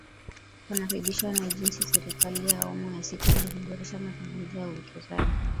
Wanaridhishwa na jinsi Serikali ya Awamu ya Sita ilivyoboresha mazungumzo ya uwekezaji